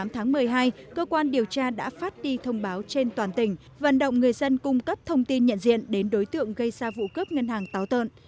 một mươi tháng một mươi hai cơ quan điều tra đã phát đi thông báo trên toàn tỉnh vận động người dân cung cấp thông tin nhận diện đến đối tượng gây ra vụ cướp ngân hàng táo tợn